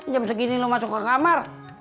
jam segini lo masuk ke kamar